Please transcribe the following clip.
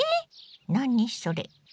何それ？